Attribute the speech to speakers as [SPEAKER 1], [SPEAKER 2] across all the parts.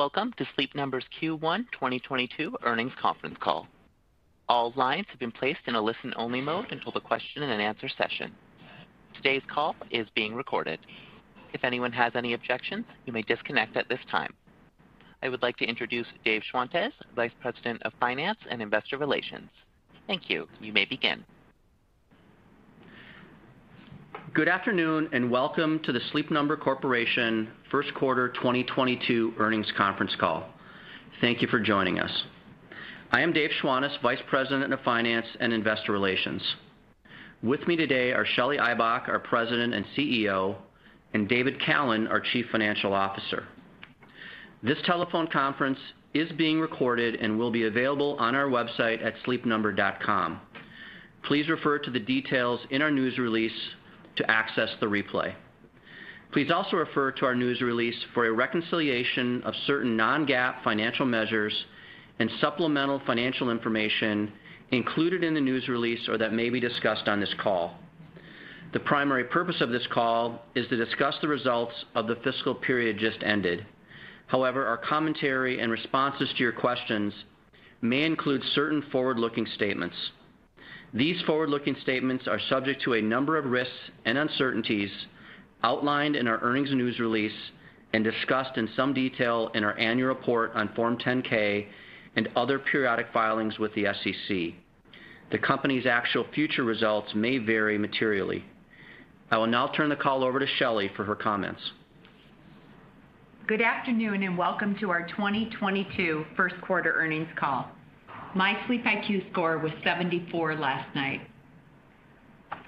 [SPEAKER 1] Welcome to Sleep Number's Q1 2022 Earnings Conference Call. All lines have been placed in a listen-only mode until the question and answer session. Today's call is being recorded. If anyone has any objections, you may disconnect at this time. I would like to introduce Dave Schwantes, Vice President of Finance and Investor Relations. Thank you. You may begin.
[SPEAKER 2] Good afternoon, and welcome to the Sleep Number Corporation first quarter 2022 earnings conference call. Thank you for joining us. I am Dave Schwantes, Vice President of Finance and Investor Relations. With me today are Shelly Ibach, our President and CEO, and David Callen, our Chief Financial Officer. This telephone conference is being recorded and will be available on our website at sleepnumber.com. Please refer to the details in our news release to access the replay. Please also refer to our news release for a reconciliation of certain non-GAAP financial measures and supplemental financial information included in the news release or that may be discussed on this call. The primary purpose of this call is to discuss the results of the fiscal period just ended. However, our commentary and responses to your questions may include certain forward-looking statements. These forward-looking statements are subject to a number of risks and uncertainties outlined in our earnings news release and discussed in some detail in our annual report on Form 10-K and other periodic filings with the SEC. The company's actual future results may vary materially. I will now turn the call over to Shelly for her comments.
[SPEAKER 3] Good afternoon, and welcome to our 2022 first quarter earnings call. My SleepIQ score was 74 last night.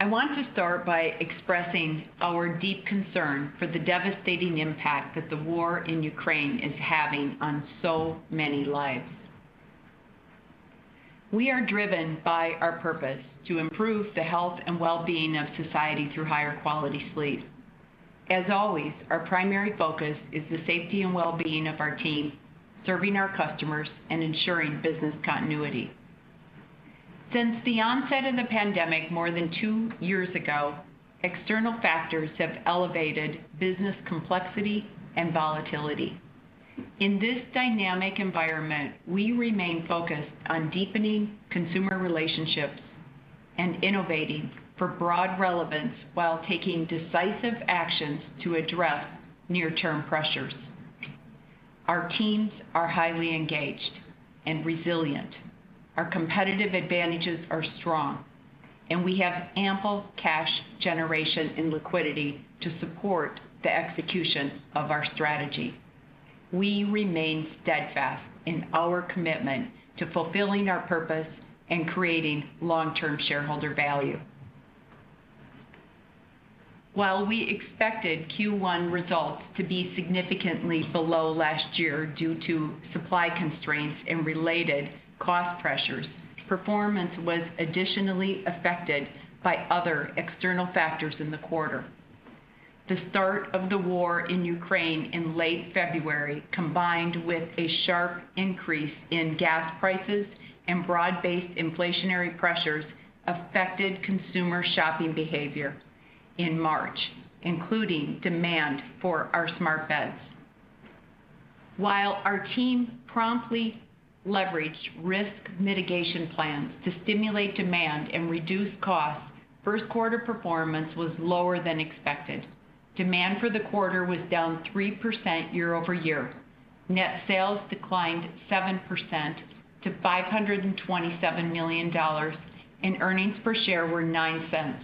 [SPEAKER 3] I want to start by expressing our deep concern for the devastating impact that the war in Ukraine is having on so many lives. We are driven by our purpose to improve the health and well-being of society through higher quality sleep. As always, our primary focus is the safety and well-being of our team, serving our customers, and ensuring business continuity. Since the onset of the pandemic more than two years ago, external factors have elevated business complexity and volatility. In this dynamic environment, we remain focused on deepening consumer relationships and innovating for broad relevance while taking decisive actions to address near-term pressures. Our teams are highly engaged and resilient. Our competitive advantages are strong, and we have ample cash generation and liquidity to support the execution of our strategy. We remain steadfast in our commitment to fulfilling our purpose and creating long-term shareholder value. While we expected Q1 results to be significantly below last year due to supply constraints and related cost pressures, performance was additionally affected by other external factors in the quarter. The start of the war in Ukraine in late February, combined with a sharp increase in gas prices and broad-based inflationary pressures, affected consumer shopping behavior in March, including demand for our smart beds. While our team promptly leveraged risk mitigation plans to stimulate demand and reduce costs, first quarter performance was lower than expected. Demand for the quarter was down 3% year-over-year. Net sales declined 7% to $527 million and earnings per share were $0.09.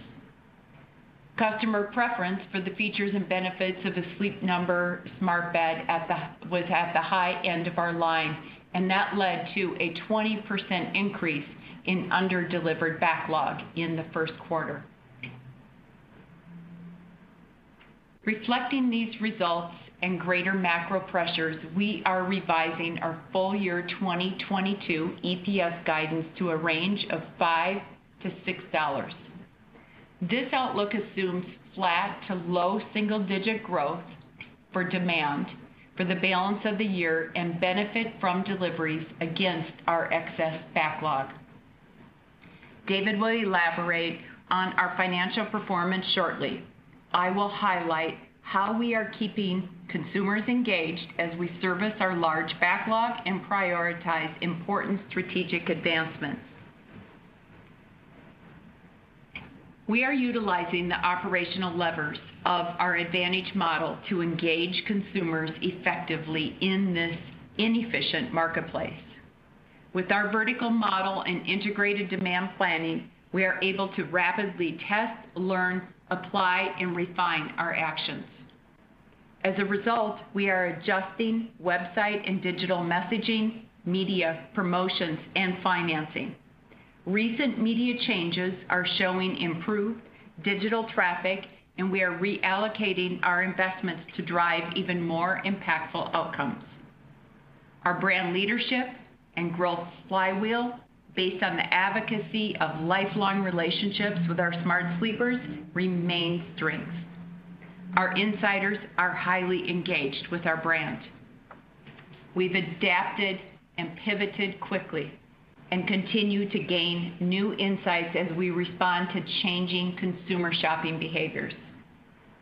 [SPEAKER 3] Customer preference for the features and benefits of a Sleep Number smart bed at the high end of our line, and that led to a 20% increase in under-delivered backlog in the first quarter. Reflecting these results and greater macro pressures, we are revising our full year 2022 EPS guidance to a range of $5-$6. This outlook assumes flat to low single-digit growth for demand for the balance of the year and benefit from deliveries against our excess backlog. David will elaborate on our financial performance shortly. I will highlight how we are keeping consumers engaged as we service our large backlog and prioritize important strategic advancements. We are utilizing the operational levers of our advantage model to engage consumers effectively in this inefficient marketplace. With our vertical model and integrated demand planning, we are able to rapidly test, learn, apply, and refine our actions. As a result, we are adjusting website and digital messaging, media, promotions, and financing. Recent media changes are showing improved digital traffic, and we are reallocating our investments to drive even more impactful outcomes. Our brand leadership and growth flywheel based on the advocacy of lifelong relationships with our smart sleepers remain strengths. Our insiders are highly engaged with our brand. We've adapted and pivoted quickly and continue to gain new insights as we respond to changing consumer shopping behaviors.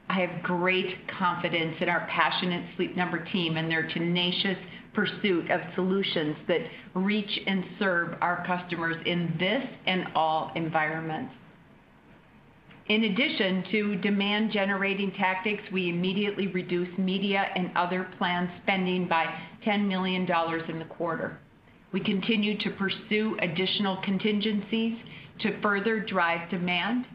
[SPEAKER 3] I have great confidence in our passionate Sleep Number team and their tenacious pursuit of solutions that reach and serve our customers in this and all environments. In addition to demand-generating tactics, we immediately reduced media and other planned spending by $10 million in the quarter. We continue to pursue additional contingencies to further drive demand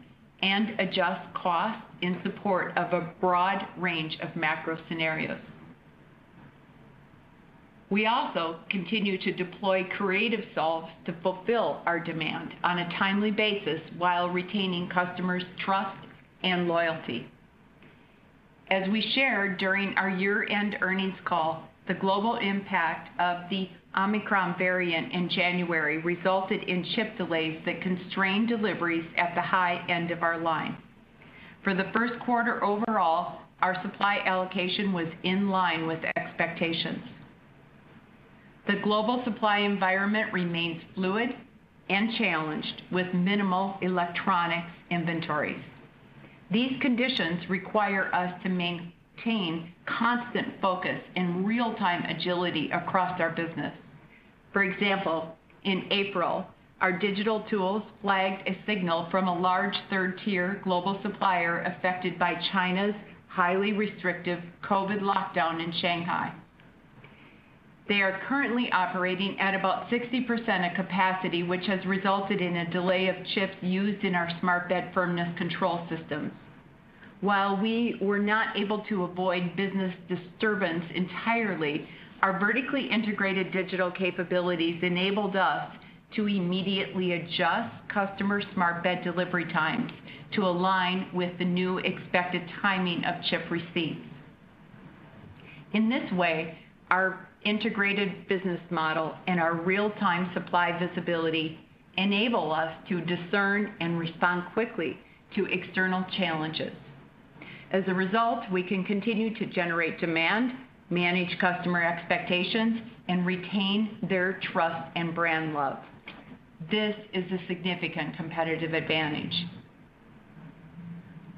[SPEAKER 3] and adjust costs in support of a broad range of macro scenarios. We also continue to deploy creative solves to fulfill our demand on a timely basis while retaining customers' trust and loyalty. As we shared during our year-end earnings call, the global impact of the Omicron variant in January resulted in ship delays that constrained deliveries at the high end of our line. For the first quarter overall, our supply allocation was in line with expectations. The global supply environment remains fluid and challenged with minimal electronics inventories. These conditions require us to maintain constant focus and real-time agility across our business. For example, in April, our digital tools flagged a signal from a large third-tier global supplier affected by China's highly restrictive COVID lockdown in Shanghai. They are currently operating at about 60% of capacity, which has resulted in a delay of chips used in our smart bed firmness control systems. While we were not able to avoid business disturbance entirely, our vertically integrated digital capabilities enabled us to immediately adjust customer smart bed delivery times to align with the new expected timing of chip receipts. In this way, our integrated business model and our real-time supply visibility enable us to discern and respond quickly to external challenges. As a result, we can continue to generate demand, manage customer expectations, and retain their trust and brand love. This is a significant competitive advantage.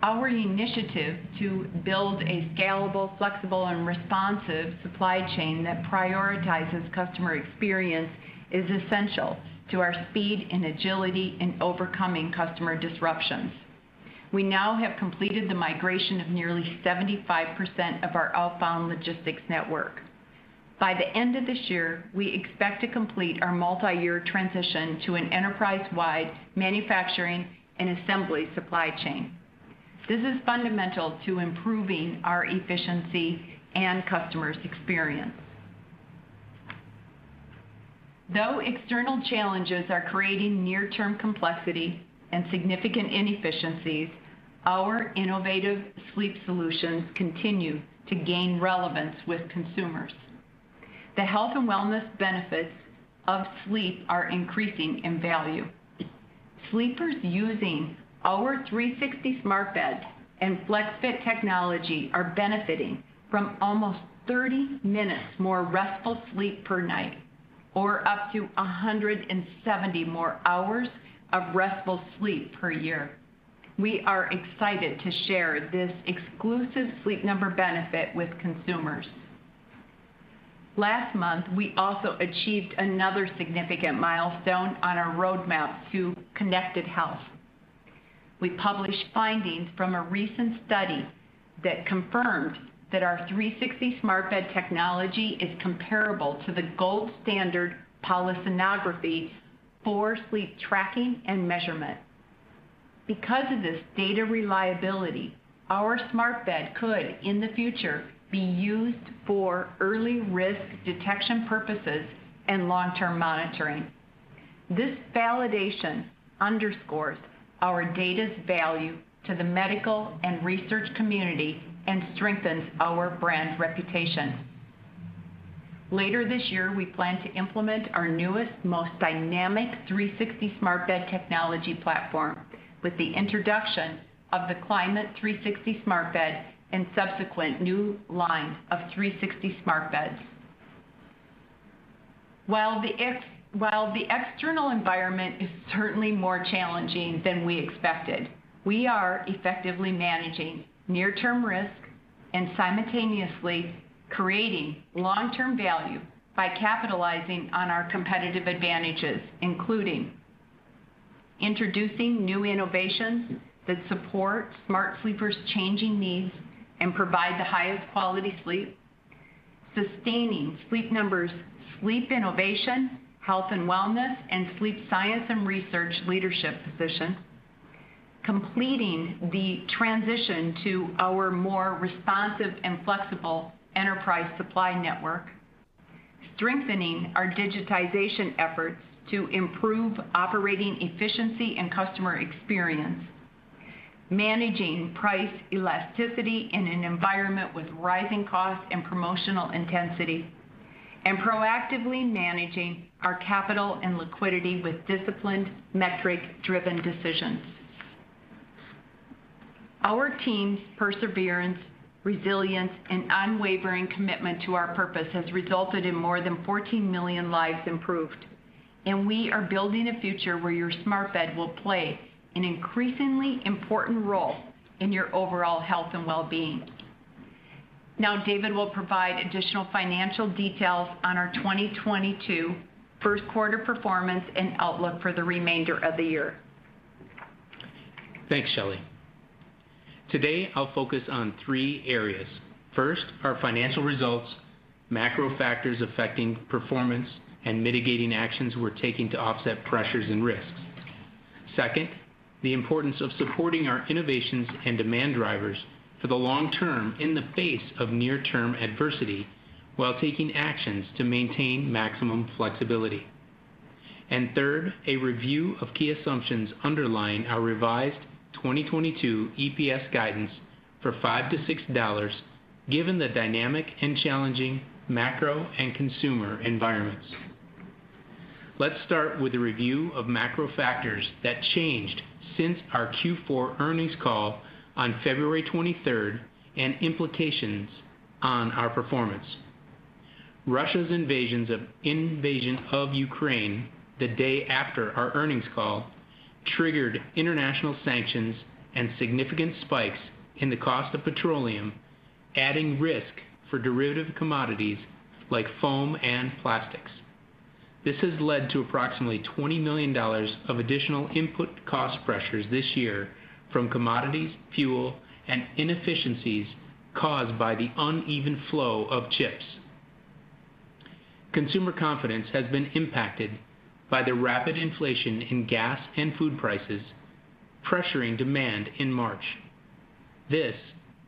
[SPEAKER 3] Our initiative to build a scalable, flexible, and responsive supply chain that prioritizes customer experience is essential to our speed and agility in overcoming customer disruptions. We now have completed the migration of nearly 75% of our outbound logistics network. By the end of this year, we expect to complete our multi-year transition to an enterprise-wide manufacturing and assembly supply chain. This is fundamental to improving our efficiency and customers' experience. Though external challenges are creating near-term complexity and significant inefficiencies, our innovative sleep solutions continue to gain relevance with consumers. The health and wellness benefits of sleep are increasing in value. Sleepers using our 360 smart bed and FlexFit technology are benefiting from almost 30 minutes more restful sleep per night, or up to 170 more hours of restful sleep per year. We are excited to share this exclusive Sleep Number benefit with consumers. Last month, we also achieved another significant milestone on our roadmap to connected health. We published findings from a recent study that confirmed that our 360 smart bed technology is comparable to the gold standard polysomnography for sleep tracking and measurement. Because of this data reliability, our smart bed could, in the future, be used for early risk detection purposes and long-term monitoring. This validation underscores our data's value to the medical and research community and strengthens our brand reputation. Later this year, we plan to implement our newest, most dynamic 360 smart bed technology platform with the introduction of the Climate360 smart bed and subsequent new lines of 360 smart beds. While the external environment is certainly more challenging than we expected, we are effectively managing near-term risk and simultaneously creating long-term value by capitalizing on our competitive advantages, including introducing new innovations that support smart sleepers' changing needs and provide the highest quality sleep. Sustaining Sleep Number's sleep innovation, health, and wellness and sleep science and research leadership position. Completing the transition to our more responsive and flexible enterprise supply network. Strengthening our digitization efforts to improve operating efficiency and customer experience. Managing price elasticity in an environment with rising costs and promotional intensity, and proactively managing our capital and liquidity with disciplined, metric-driven decisions. Our team's perseverance, resilience, and unwavering commitment to our purpose has resulted in more than 14 million lives improved. We are building a future where your smart bed will play an increasingly important role in your overall health and well-being. Now, David will provide additional financial details on our 2022 first quarter performance and outlook for the remainder of the year.
[SPEAKER 4] Thanks, Shelly. Today, I'll focus on three areas. First, our financial results, macro factors affecting performance, and mitigating actions we're taking to offset pressures and risks. Second, the importance of supporting our innovations and demand drivers for the long term in the face of near-term adversity, while taking actions to maintain maximum flexibility. Third, a review of key assumptions underlying our revised 2022 EPS guidance for $5-$6, given the dynamic and challenging macro and consumer environments. Let's start with a review of macro factors that changed since our Q4 earnings call on February 23rd, and implications on our performance. Russia's invasion of Ukraine the day after our earnings call triggered international sanctions and significant spikes in the cost of petroleum, adding risk for derivative commodities like foam and plastics. This has led to approximately $20 million of additional input cost pressures this year from commodities, fuel, and inefficiencies caused by the uneven flow of chips. Consumer confidence has been impacted by the rapid inflation in gas and food prices, pressuring demand in March. This,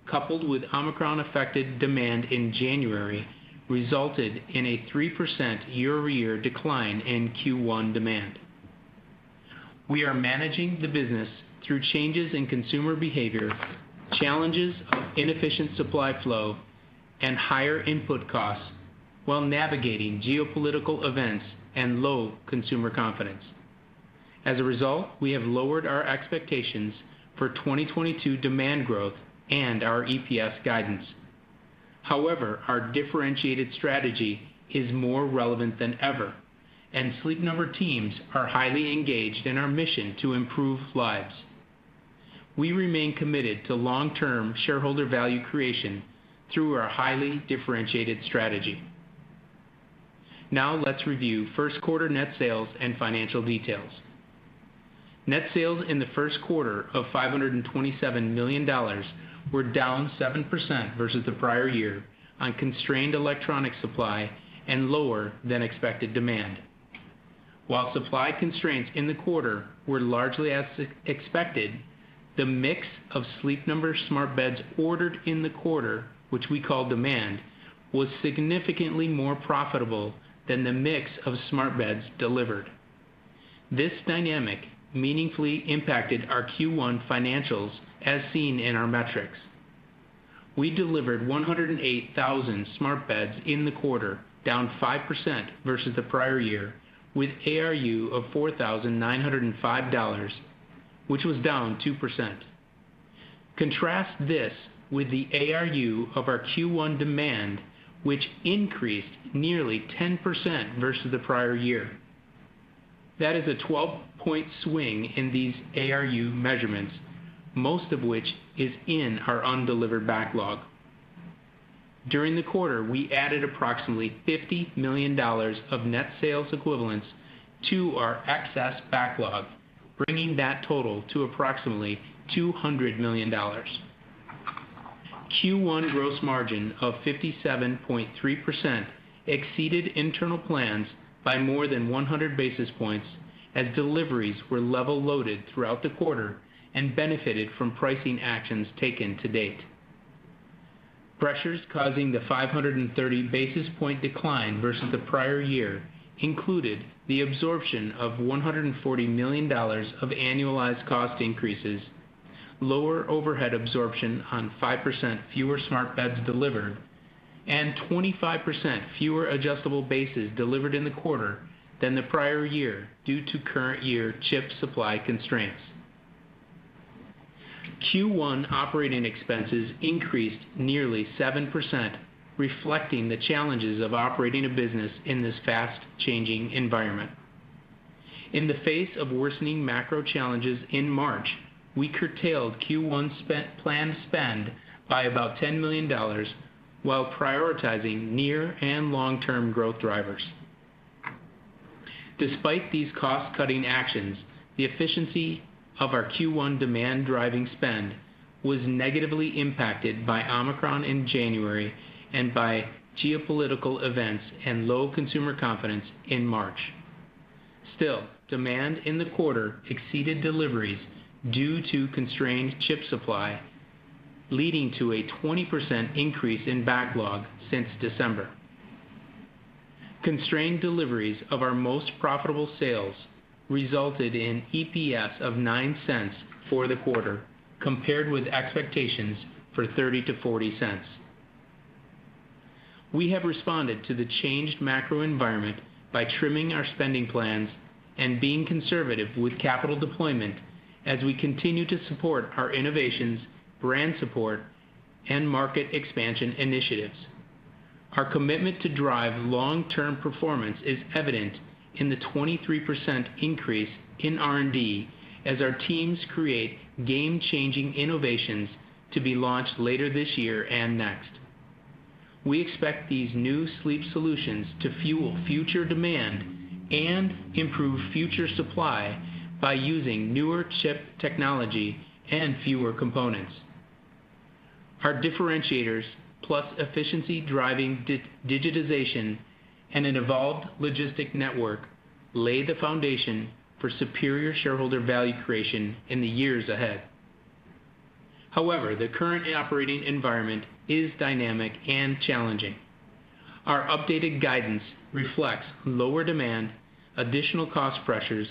[SPEAKER 4] coupled with Omicron-affected demand in January, resulted in a 3% year-over-year decline in Q1 demand. We are managing the business through changes in consumer behavior, challenges of inefficient supply flow, and higher input costs, while navigating geopolitical events and low consumer confidence. As a result, we have lowered our expectations for 2022 demand growth and our EPS guidance. However, our differentiated strategy is more relevant than ever, and Sleep Number teams are highly engaged in our mission to improve lives. We remain committed to long-term shareholder value creation through our highly differentiated strategy. Now let's review first quarter net sales and financial details. Net sales in the first quarter of $527 million were down 7% versus the prior year on constrained electronic supply and lower than expected demand. While supply constraints in the quarter were largely as expected, the mix of Sleep Number smart beds ordered in the quarter, which we call demand, was significantly more profitable than the mix of smart beds delivered. This dynamic meaningfully impacted our Q1 financials as seen in our metrics. We delivered 108,000 smart beds in the quarter, down 5% versus the prior year, with ARU of $4,905, which was down 2%. Contrast this with the ARU of our Q1 demand, which increased nearly 10% versus the prior year. That is a 12-point swing in these ARU measurements, most of which is in our undelivered backlog. During the quarter, we added approximately $50 million of net sales equivalents to our excess backlog, bringing that total to approximately $200 million. Q1 gross margin of 57.3% exceeded internal plans by more than 100 basis points as deliveries were level loaded throughout the quarter and benefited from pricing actions taken to date. Pressures causing the 530 basis points decline versus the prior year included the absorption of $140 million of annualized cost increases, lower overhead absorption on 5% fewer smart beds delivered, and 25% fewer adjustable bases delivered in the quarter than the prior year, due to current year chip supply constraints. Q1 operating expenses increased nearly 7%, reflecting the challenges of operating a business in this fast changing environment. In the face of worsening macro challenges in March, we curtailed Q1 planned spend by about $10 million while prioritizing near and long-term growth drivers. Despite these cost-cutting actions, the efficiency of our Q1 demand driving spend was negatively impacted by Omicron in January and by geopolitical events and low consumer confidence in March. Still, demand in the quarter exceeded deliveries due to constrained chip supply, leading to a 20% increase in backlog since December. Constrained deliveries of our most profitable sales resulted in EPS of $0.09 for the quarter, compared with expectations for $0.30-$0.40. We have responded to the changed macro environment by trimming our spending plans and being conservative with capital deployment as we continue to support our innovations, brand support and market expansion initiatives. Our commitment to drive long-term performance is evident in the 23% increase in R&D as our teams create game-changing innovations to be launched later this year and next. We expect these new sleep solutions to fuel future demand and improve future supply by using newer chip technology and fewer components. Our differentiators, plus efficiency-driving digitization and an evolved logistics network, lay the foundation for superior shareholder value creation in the years ahead. However, the current operating environment is dynamic and challenging. Our updated guidance reflects lower demand, additional cost pressures,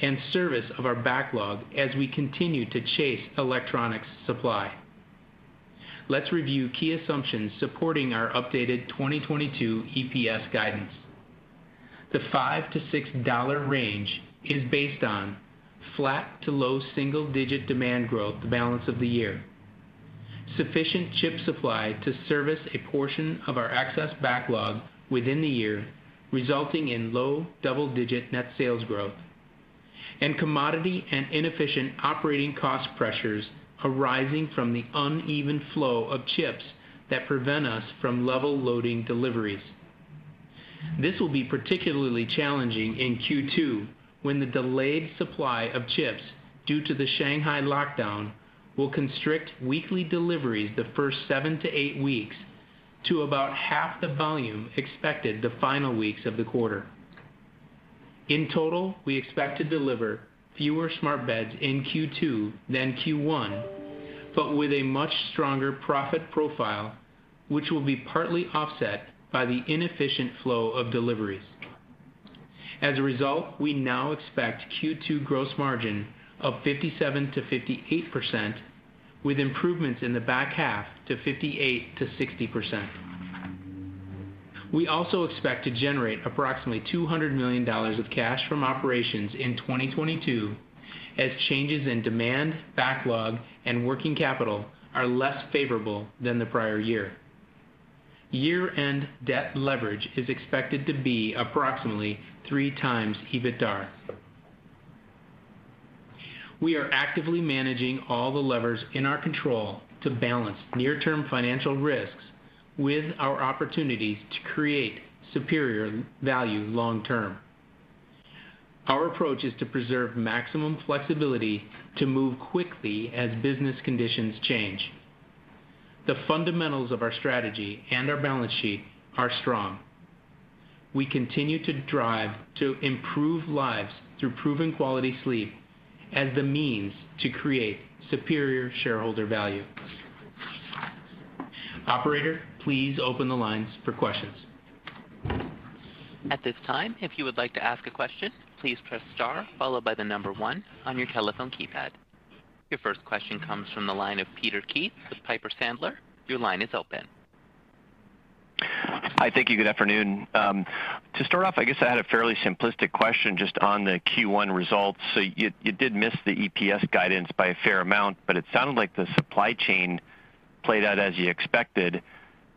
[SPEAKER 4] and servicing of our backlog as we continue to chase electronics supply. Let's review key assumptions supporting our updated 2022 EPS guidance. The $5-$6 range is based on flat to low single-digit% demand growth the balance of the year, sufficient chip supply to service a portion of our excess backlog within the year, resulting in low double-digit% net sales growth, and commodity and inefficient operating cost pressures arising from the uneven flow of chips that prevent us from level loading deliveries. This will be particularly challenging in Q2, when the delayed supply of chips due to the Shanghai lockdown will constrict weekly deliveries the first seven to eight weeks to about half the volume expected the final weeks of the quarter. In total, we expect to deliver fewer smart beds in Q2 than Q1, but with a much stronger profit profile, which will be partly offset by the inefficient flow of deliveries. As a result, we now expect Q2 gross margin of 57%-58%, with improvements in the back half to 58%-60%. We also expect to generate approximately $200 million of cash from operations in 2022, as changes in demand, backlog, and working capital are less favorable than the prior year. Year-end debt leverage is expected to be approximately 3x EBITDA. We are actively managing all the levers in our control to balance near-term financial risks with our opportunities to create superior value long term. Our approach is to preserve maximum flexibility to move quickly as business conditions change. The fundamentals of our strategy and our balance sheet are strong. We continue to drive to improve lives through proven quality sleep as the means to create superior shareholder value. Operator, please open the lines for questions.
[SPEAKER 1] At this time, if you would like to ask a question, please press star followed by the number one on your telephone keypad. Your first question comes from the line of Peter Keith with Piper Sandler. Your line is open.
[SPEAKER 5] Hi, thank you. Good afternoon. To start off, I guess I had a fairly simplistic question just on the Q1 results. You did miss the EPS guidance by a fair amount, but it sounded like the supply chain played out as you expected.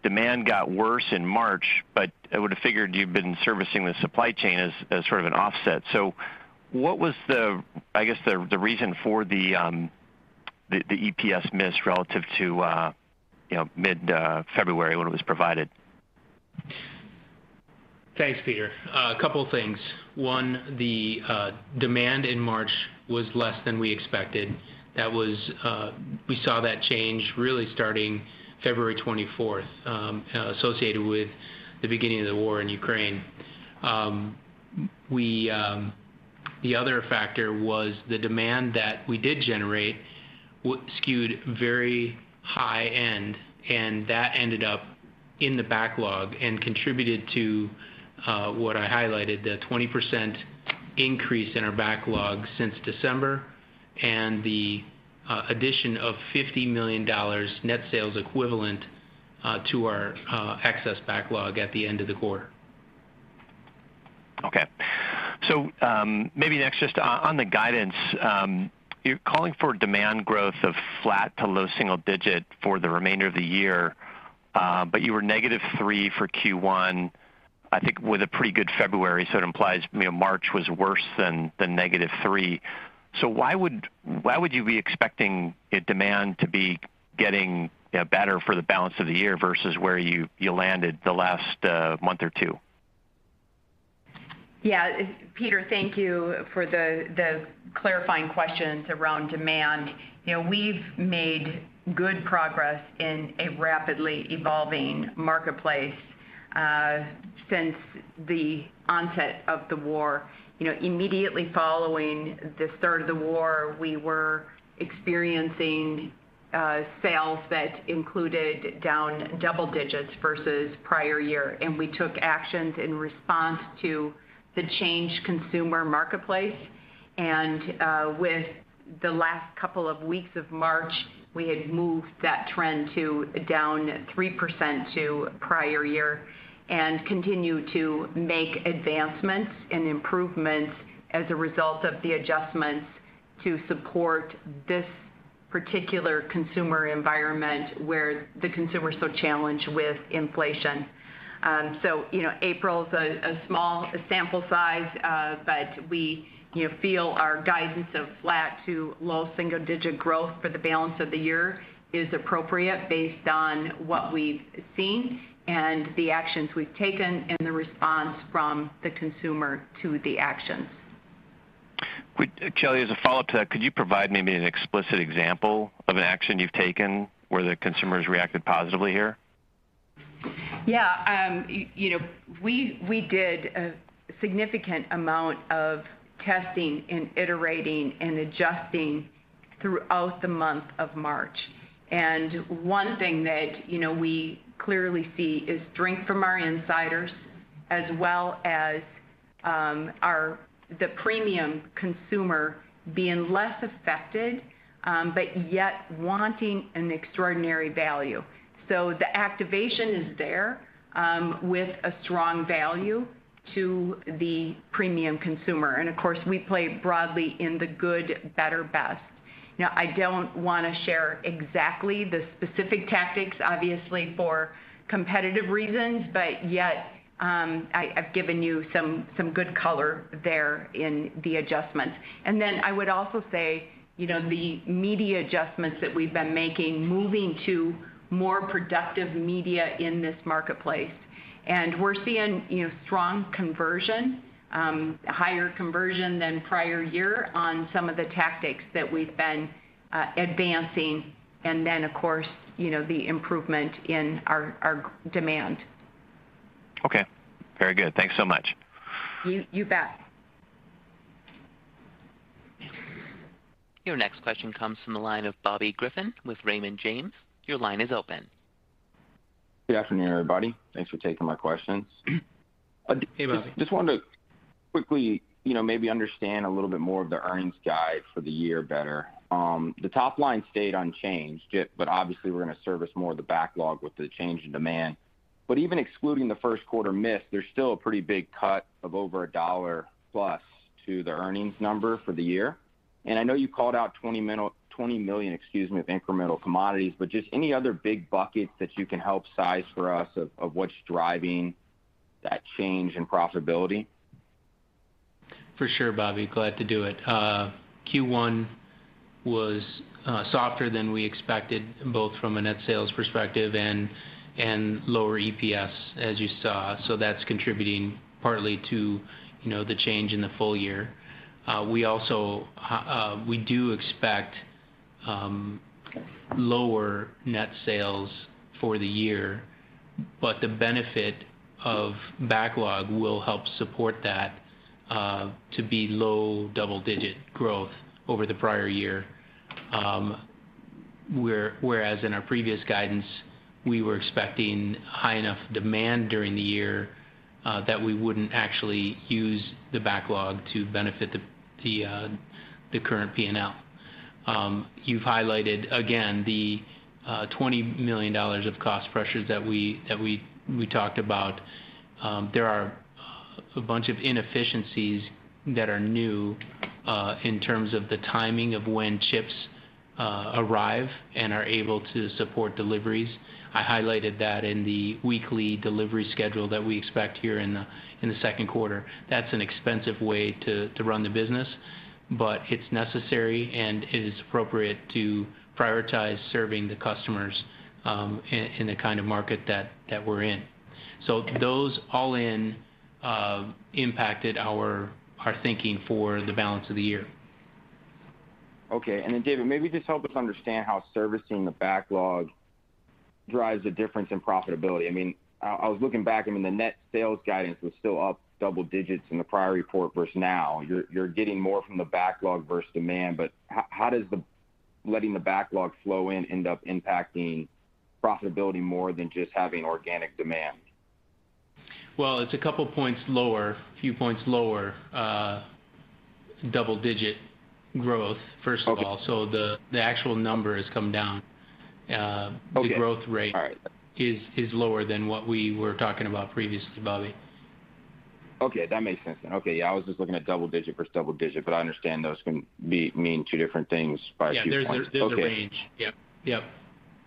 [SPEAKER 5] Demand got worse in March, but I would have figured you've been servicing the supply chain as sort of an offset. What was the, I guess, the reason for the EPS miss relative to you know, mid February when it was provided?
[SPEAKER 4] Thanks, Peter. A couple things. One, the demand in March was less than we expected. That was. We saw that change really starting February 24th, associated with the beginning of the war in Ukraine. The other factor was the demand that we did generate skewed very high-end, and that ended up in the backlog and contributed to what I highlighted, the 20% increase in our backlog since December and the addition of $50 million net sales equivalent to our excess backlog at the end of the quarter.
[SPEAKER 5] Okay. Maybe next just on the guidance, you're calling for demand growth of flat to low single-digit for the remainder of the year, but you were -3% for Q1, I think with a pretty good February, so it implies, you know, March was worse than -3%. Why would you be expecting demand to be getting, you know, better for the balance of the year versus where you landed the last month or two?
[SPEAKER 3] Yeah. Peter, thank you for the clarifying questions around demand. You know, we've made good progress in a rapidly evolving marketplace since the onset of the war. You know, immediately following the start of the war, we were experiencing sales that included down double digits versus prior year, and we took actions in response to the changed consumer marketplace. With the last couple of weeks of March, we had moved that trend to down 3% to prior year and continue to make advancements and improvements as a result of the adjustments to support this particular consumer environment where the consumer is so challenged with inflation. You know, April's a small sample size, but we, you know, feel our guidance of flat to low single-digit growth for the balance of the year is appropriate based on what we've seen and the actions we've taken and the response from the consumer to the actions.
[SPEAKER 5] Shelly, as a follow-up to that, could you provide maybe an explicit example of an action you've taken where the consumers reacted positively here?
[SPEAKER 3] You know, we did a significant amount of testing and iterating and adjusting throughout the month of March. One thing that you know, we clearly see is strength from our insiders as well as the premium consumer being less affected, but yet wanting an extraordinary value. The activation is there with a strong value to the premium consumer. Of course, we play broadly in the good, better, best. Now, I don't wanna share exactly the specific tactics, obviously, for competitive reasons, but yet I've given you some good color there in the adjustments. Then I would also say you know, the media adjustments that we've been making, moving to more productive media in this marketplace. We're seeing, you know, strong conversion, higher conversion than prior year on some of the tactics that we've been advancing. Of course, you know, the improvement in our demand.
[SPEAKER 5] Okay. Very good. Thanks so much.
[SPEAKER 3] You bet.
[SPEAKER 1] Your next question comes from the line of Bobby Griffin with Raymond James. Your line is open.
[SPEAKER 6] Good afternoon, everybody. Thanks for taking my questions.
[SPEAKER 4] Hey, Bobby.
[SPEAKER 6] Just wanted to quickly, you know, maybe understand a little bit more of the earnings guide for the year better. The top line stayed unchanged, yeah, but obviously we're gonna service more of the backlog with the change in demand. Even excluding the first quarter miss, there's still a pretty big cut of over $1 plus to the earnings number for the year. I know you called out $20 million, excuse me, of incremental commodities, but just any other big buckets that you can help size for us of what's driving that change in profitability?
[SPEAKER 4] For sure, Bobby, glad to do it. Q1 was softer than we expected, both from a net sales perspective and lower EPS, as you saw. That's contributing partly to, you know, the change in the full year. We also do expect lower net sales for the year, but the benefit of backlog will help support that to be low double-digit growth over the prior year. Whereas in our previous guidance, we were expecting high enough demand during the year that we wouldn't actually use the backlog to benefit the current P&L. You've highlighted, again, the $20 million of cost pressures that we talked about. There are a bunch of inefficiencies that are new in terms of the timing of when chips arrive and are able to support deliveries. I highlighted that in the weekly delivery schedule that we expect here in the second quarter. That's an expensive way to run the business, but it's necessary and it is appropriate to prioritize serving the customers in the kind of market that we're in. Those all in impacted our thinking for the balance of the year.
[SPEAKER 6] Okay. David, maybe just help us understand how servicing the backlog drives a difference in profitability. I mean, I was looking back, I mean, the net sales guidance was still up double digits in the prior report versus now. You're getting more from the backlog versus demand. How does letting the backlog flow in end up impacting profitability more than just having organic demand?
[SPEAKER 4] Well, it's a couple points lower, a few points lower, double-digit growth, first of all.
[SPEAKER 6] Okay.
[SPEAKER 3] The actual number has come down.
[SPEAKER 6] Okay.
[SPEAKER 4] The growth rate.
[SPEAKER 6] All right.
[SPEAKER 4] is lower than what we were talking about previously, Bobby.
[SPEAKER 6] Okay. That makes sense then. Okay. Yeah, I was just looking at double-digit versus double-digit, but I understand those can mean two different things by a few points.
[SPEAKER 4] Yeah. There's a range.
[SPEAKER 6] Okay.
[SPEAKER 4] Yep. Yep.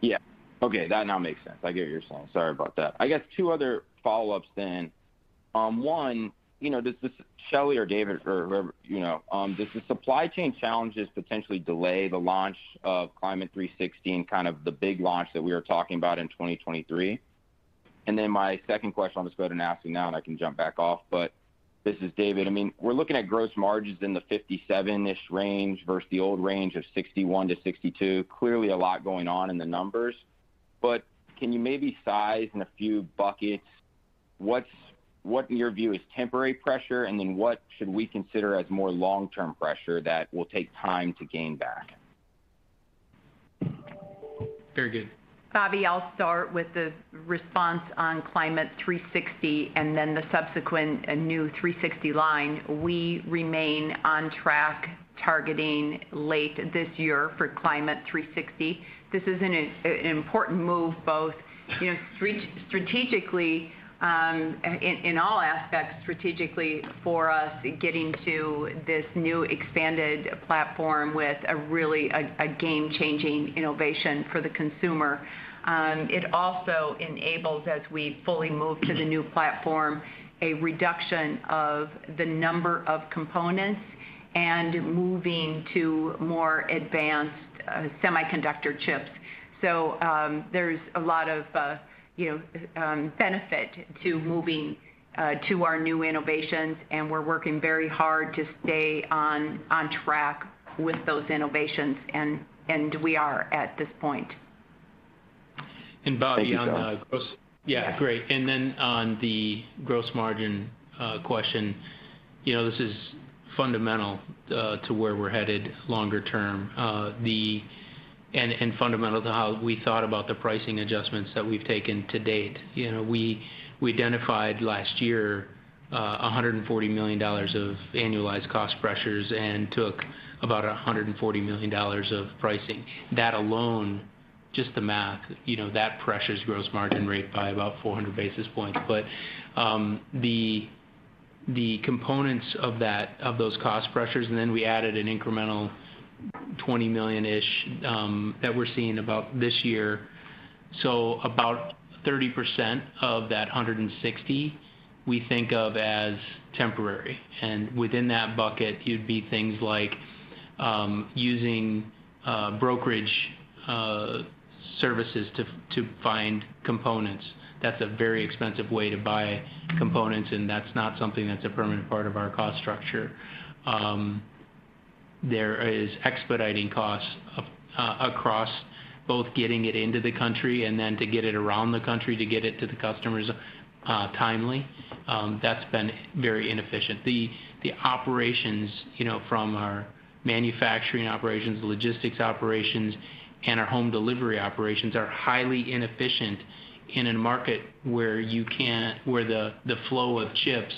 [SPEAKER 6] Yeah. Okay. That now makes sense. I get what you're saying. Sorry about that. I guess two other follow-ups then. One, you know, does this Shelly or David or whoever, you know, does the supply chain challenges potentially delay the launch of Climate360, kind of the big launch that we were talking about in 2023? Then my second question, I'll just go ahead and ask you now, and I can jump back off. This is David. I mean, we're looking at gross margins in the 57%-ish range versus the old range of 61%-62%. Clearly a lot going on in the numbers. Can you maybe size in a few buckets what in your view is temporary pressure, and then what should we consider as more long-term pressure that will take time to gain back?
[SPEAKER 4] Very good.
[SPEAKER 3] Bobby, I'll start with the response on Climate360 and then the subsequent new 360 line. We remain on track targeting late this year for Climate360. This is an important move both, you know, strategically in all aspects strategically for us getting to this new expanded platform with a really a game-changing innovation for the consumer. It also enables, as we fully move to the new platform, a reduction of the number of components and moving to more advanced semiconductor chips. There's a lot of, you know, benefit to moving to our new innovations, and we're working very hard to stay on track with those innovations, and we are at this point.
[SPEAKER 4] Bobby, on the gross.
[SPEAKER 6] Thank you, Shelly.
[SPEAKER 4] Yeah. Yeah, great. Then on the gross margin question. You know, this is fundamental to where we're headed longer term. Fundamental to how we thought about the pricing adjustments that we've taken to date. You know, we identified last year $140 million of annualized cost pressures, and took about $140 million of pricing. That alone, just the math, you know, that pressures gross margin rate by about 400 basis points. The components of that, of those cost pressures, and then we added an incremental 20 million-ish that we're seeing about this year. About 30% of that 160 we think of as temporary. Within that bucket, it'd be things like using brokerage services to find components. That's a very expensive way to buy components, and that's not something that's a permanent part of our cost structure. There is expediting costs across both getting it into the country and then to get it around the country to get it to the customers timely. That's been very inefficient. The operations, you know, from our manufacturing operations, logistics operations, and our home delivery operations are highly inefficient in a market where the flow of chips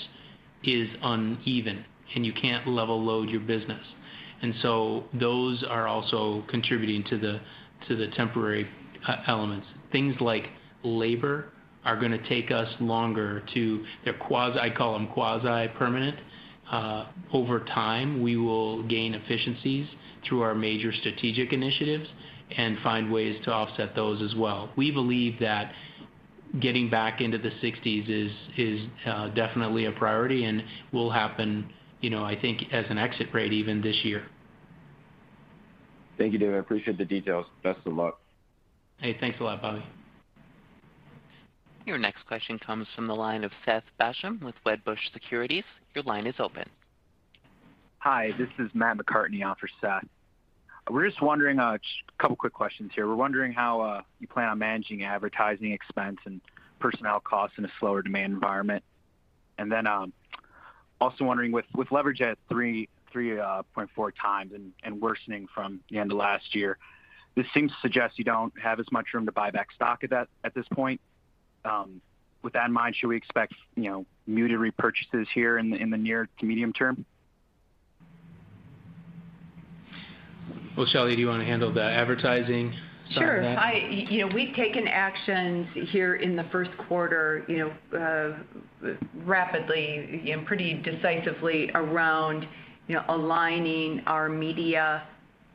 [SPEAKER 4] is uneven, and you can't level load your business. Those are also contributing to the temporary elements. Things like labor are gonna take us longer. They're quasi-quo and quasi-permanent. Over time, we will gain efficiencies through our major strategic initiatives and find ways to offset those as well. We believe that getting back into the 60s is definitely a priority and will happen, you know, I think as an exit rate even this year.
[SPEAKER 6] Thank you, David. I appreciate the details. Best of luck.
[SPEAKER 4] Hey, thanks a lot, Bobby.
[SPEAKER 1] Your next question comes from the line of Seth Basham with Wedbush Securities. Your line is open.
[SPEAKER 7] Hi, this is Matt McCartney on for Seth. We're just wondering just a couple quick questions here. We're wondering how you plan on managing advertising expense and personnel costs in a slower demand environment. Also wondering, with leverage at 3.4x and worsening from the end of last year, this seems to suggest you don't have as much room to buy back stock at this point. With that in mind, should we expect you know muted repurchases here in the near to medium term?
[SPEAKER 4] Well, Shelly, do you wanna handle the advertising side of that?
[SPEAKER 3] Sure. You know, we've taken actions here in the first quarter, you know, rapidly and pretty decisively around, you know, aligning our media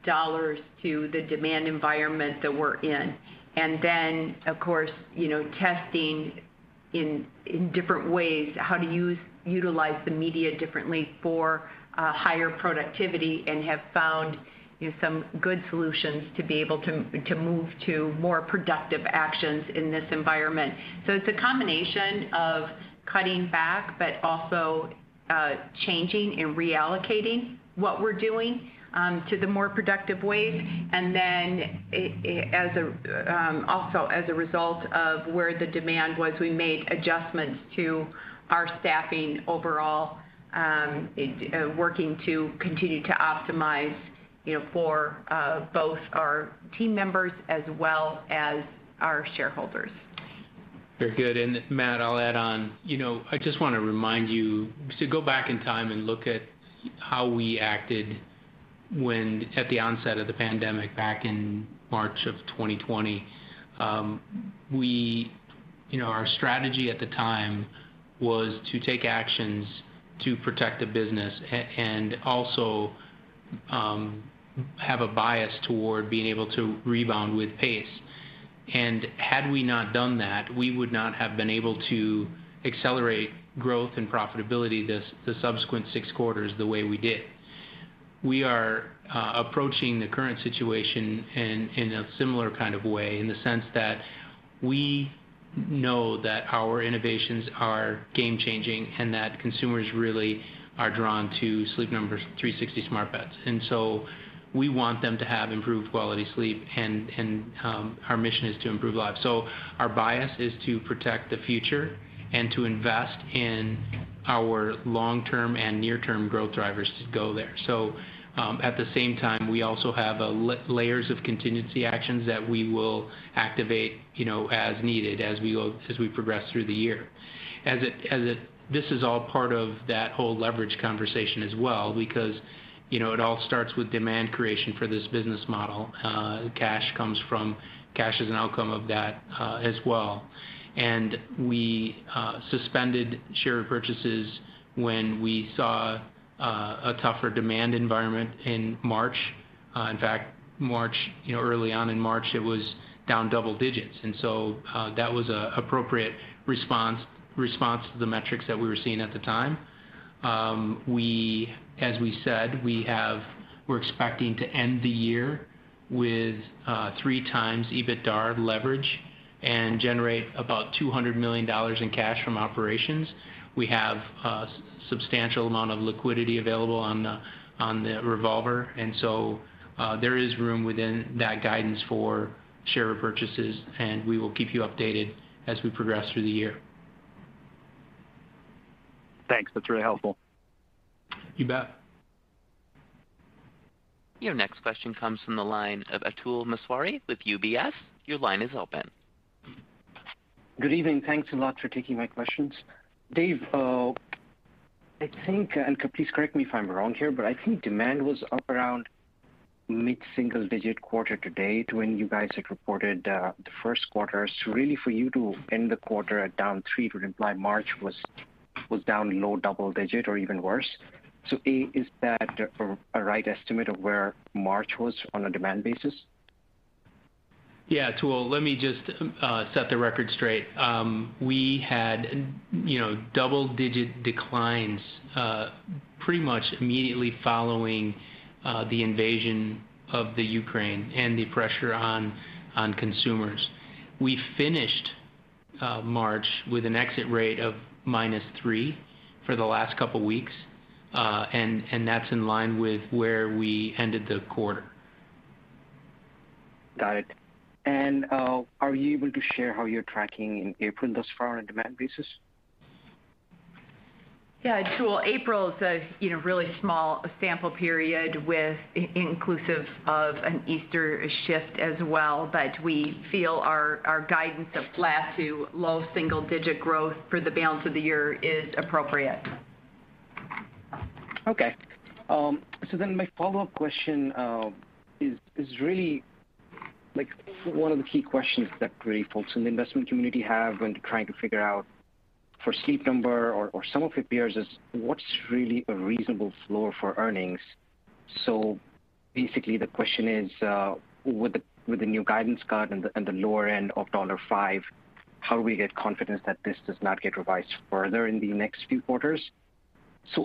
[SPEAKER 3] dollars to the demand environment that we're in. Of course, you know, testing in different ways how to utilize the media differently for higher productivity and have found, you know, some good solutions to be able to move to more productive actions in this environment. It's a combination of cutting back, but also changing and reallocating what we're doing to the more productive ways. Also, as a result of where the demand was, we made adjustments to our staffing overall, working to continue to optimize, you know, for both our team members as well as our shareholders.
[SPEAKER 4] Very good. Matt, I'll add on. I just wanna remind you to go back in time and look at how we acted at the onset of the pandemic back in March of 2020. Our strategy at the time was to take actions to protect the business and also have a bias toward being able to rebound with pace. Had we not done that, we would not have been able to accelerate growth and profitability the subsequent six quarters the way we did. We are approaching the current situation in a similar kind of way in the sense that we know that our innovations are game-changing, and that consumers really are drawn to Sleep Number's 360 smart beds. We want them to have improved quality sleep, and our mission is to improve lives. Our bias is to protect the future and to invest in our long-term and near-term growth drivers to go there. At the same time, we also have layers of contingency actions that we will activate, you know, as needed as we progress through the year. This is all part of that whole leverage conversation as well, because you know, it all starts with demand creation for this business model. Cash is an outcome of that, as well. We suspended share purchases when we saw a tougher demand environment in March. In fact, March, you know, early on in March, it was down double digits. That was an appropriate response to the metrics that we were seeing at the time. As we said, we're expecting to end the year with 3x EBITDAR leverage and generate about $200 million in cash from operations. We have a substantial amount of liquidity available on the revolver, so there is room within that guidance for share purchases, and we will keep you updated as we progress through the year.
[SPEAKER 7] Thanks. That's really helpful.
[SPEAKER 4] You bet.
[SPEAKER 1] Your next question comes from the line of Atul Maheswari with UBS. Your line is open.
[SPEAKER 8] Good evening. Thanks a lot for taking my questions. Dave, I think, and please correct me if I'm wrong here, but I think demand was up around mid-single digit quarter to date when you guys had reported the first quarter. Really for you to end the quarter at down three would imply March was down low double digit or even worse. A, is that a right estimate of where March was on a demand basis?
[SPEAKER 4] Yeah, Atul. Let me just set the record straight. We had, you know, double-digit declines pretty much immediately following the invasion of Ukraine and the pressure on consumers. We finished March with an exit rate of -3% for the last couple weeks, and that's in line with where we ended the quarter.
[SPEAKER 8] Got it. Are you able to share how you're tracking in April thus far on a demand basis?
[SPEAKER 3] Yeah, Atul. April is a, you know, really small sample period with inclusive of an Easter shift as well, but we feel our guidance of flat to low single-digit growth for the balance of the year is appropriate.
[SPEAKER 8] Okay. My follow-up question is really, like, one of the key questions that really folks in the investment community have when trying to figure out for Sleep Number or some of their peers is what's really a reasonable floor for earnings. Basically, the question is, with the new guidance card and the lower end of $5, how do we get confidence that this does not get revised further in the next few quarters?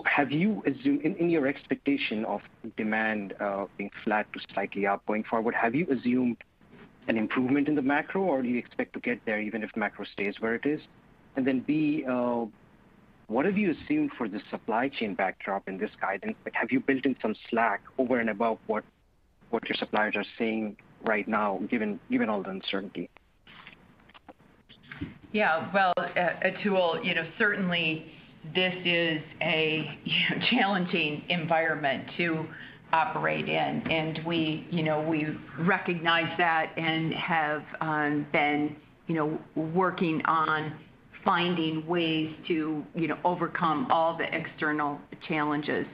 [SPEAKER 8] Have you, in your expectation of demand being flat to slightly up going forward, assumed an improvement in the macro or do you expect to get there even if the macro stays where it is? And then, B, what have you assumed for the supply chain backdrop in this guidance? Like, have you built in some slack over and above what your suppliers are seeing right now, given all the uncertainty?
[SPEAKER 3] Yeah. Well, Atul, you know, certainly this is a you know, challenging environment to operate in, and we, you know, we recognize that and have been, you know, working on finding ways to, you know, overcome all the external challenges.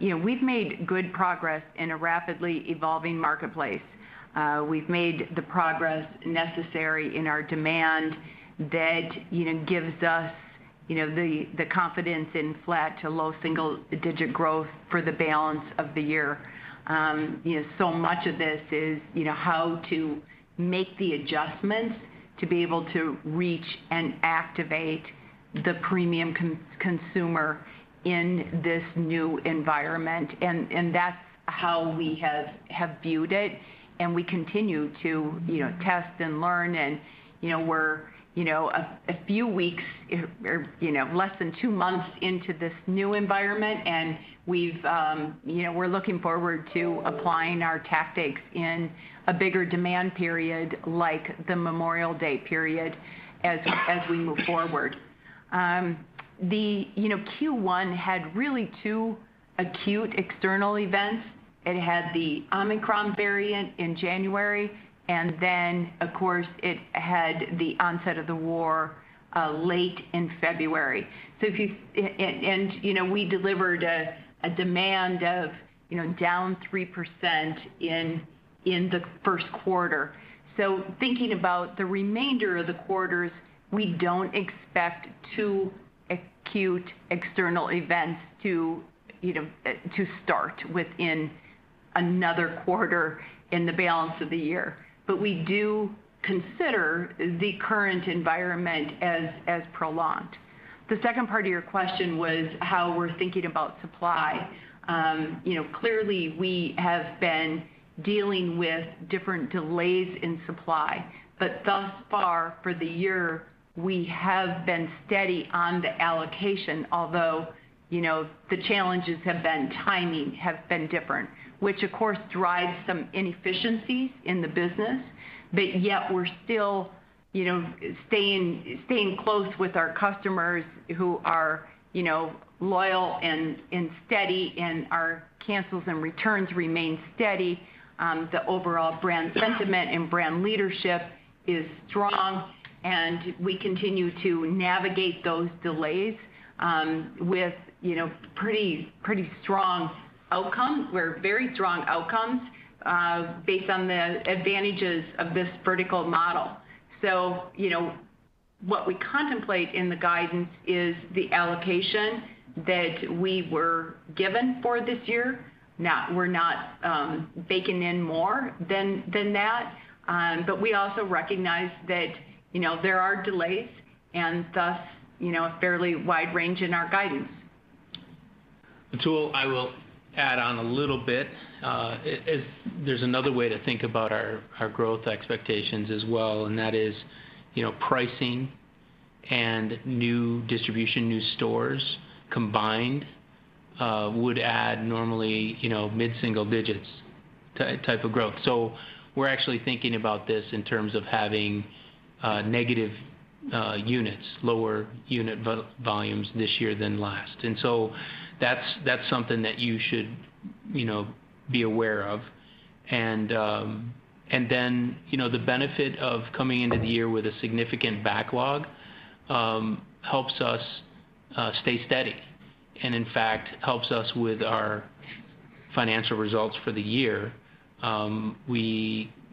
[SPEAKER 3] You know, we've made good progress in a rapidly evolving marketplace. We've made the progress necessary in our demand that, you know, gives us, you know, the confidence in flat to low single digit growth for the balance of the year. You know, so much of this is, you know, how to make the adjustments to be able to reach and activate the premium consumer in this new environment. That's how we have viewed it, and we continue to, you know, test and learn and, you know, we're, you know, a few weeks or, you know, less than two months into this new environment and we've, you know, we're looking forward to applying our tactics in a bigger demand period like the Memorial Day period as we move forward. The, you know, Q1 had really two acute external events. It had the Omicron variant in January, and then of course it had the onset of the war late in February. And, you know, we delivered a demand of, you know, down 3% in the first quarter. Thinking about the remainder of the quarters, we don't expect two acute external events to start within another quarter in the balance of the year. We do consider the current environment as prolonged. The second part of your question was how we're thinking about supply. Clearly we have been dealing with different delays in supply, but thus far for the year, we have been steady on the allocation, although the challenges have been timing have been different, which of course drives some inefficiencies in the business. Yet we're still staying close with our customers who are loyal and steady, and our cancels and returns remain steady. The overall brand sentiment and brand leadership is strong, and we continue to navigate those delays with you know pretty strong outcome or very strong outcomes based on the advantages of this vertical model. You know what we contemplate in the guidance is the allocation that we were given for this year. We're not baking in more than that but we also recognize that you know there are delays and thus you know a fairly wide range in our guidance.
[SPEAKER 4] Atul, I will add on a little bit. There's another way to think about our growth expectations as well, and that is, you know, pricing and new distribution, new stores combined would add normally, you know, mid-single digits type of growth. We're actually thinking about this in terms of having negative units, lower unit volumes this year than last. That's something that you should, you know, be aware of. You know, the benefit of coming into the year with a significant backlog helps us stay steady and, in fact, helps us with our financial results for the year.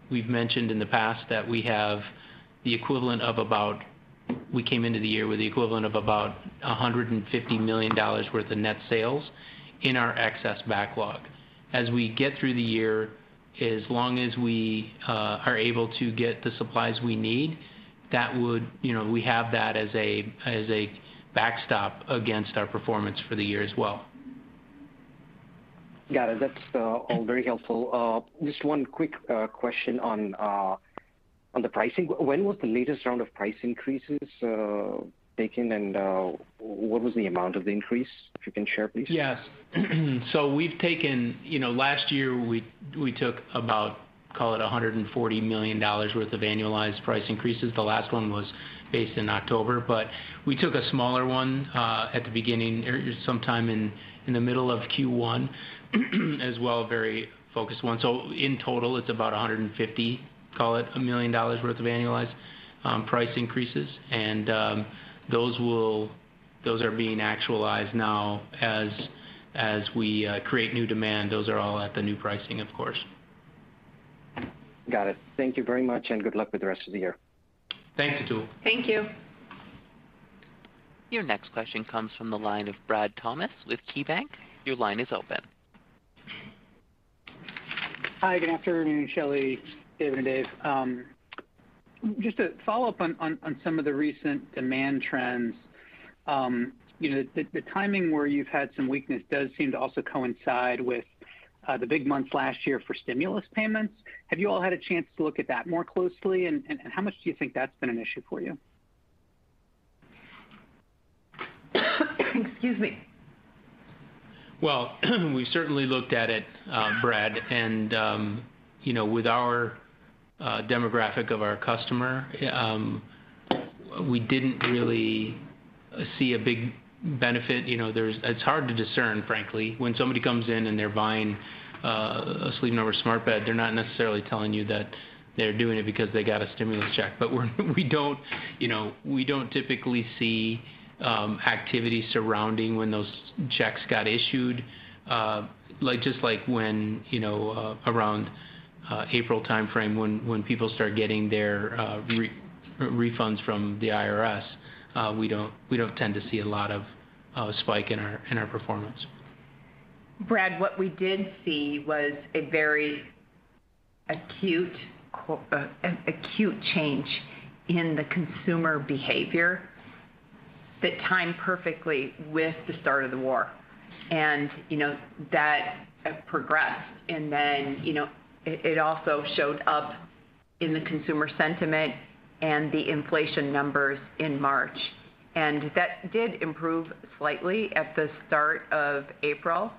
[SPEAKER 4] We've mentioned in the past that we have the equivalent of about... We came into the year with the equivalent of about $150 million worth of net sales in our excess backlog. As we get through the year, as long as we are able to get the supplies we need, you know, we have that as a backstop against our performance for the year as well.
[SPEAKER 8] Got it. That's all very helpful. Just one quick question on the pricing. When was the latest round of price increases taken, and what was the amount of the increase, if you can share, please?
[SPEAKER 4] Yes. We've taken. You know, last year we took about, call it $140 million worth of annualized price increases. The last one was based in October. We took a smaller one at the beginning or sometime in the middle of Q1, as well, a very focused one. In total, it's about $150, call it, million worth of annualized price increases. Those are being actualized now. As we create new demand, those are all at the new pricing, of course.
[SPEAKER 8] Got it. Thank you very much, and good luck with the rest of the year.
[SPEAKER 4] Thank you, Atul.
[SPEAKER 3] Thank you.
[SPEAKER 1] Your next question comes from the line of Brad Thomas with KeyBanc. Your line is open.
[SPEAKER 9] Hi. Good afternoon, Shelly, David, and Dave. Just to follow up on some of the recent demand trends. You know, the timing where you've had some weakness does seem to also coincide with the big months last year for stimulus payments. Have you all had a chance to look at that more closely, and how much do you think that's been an issue for you?
[SPEAKER 3] Excuse me.
[SPEAKER 4] Well, we certainly looked at it, Brad, and, you know, with our demographic of our customer, we didn't really see a big benefit. You know, it's hard to discern, frankly. When somebody comes in and they're buying a Sleep Number smart bed, they're not necessarily telling you that they're doing it because they got a stimulus check. But we don't, you know, we don't typically see activity surrounding when those checks got issued. Like, just like when, you know, around April timeframe when people start getting their refunds from the IRS, we don't tend to see a lot of spike in our performance.
[SPEAKER 3] Brad, what we did see was a very acute change in the consumer behavior that timed perfectly with the start of the war. You know, that progressed and then, you know, it also showed up in the consumer sentiment and the inflation numbers in March. That did improve slightly at the start of April